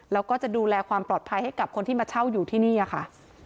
แล้วก็จะดูแลความปลอดภัยให้กับคนที่มาเช่าอยู่ที่นี่ค่ะ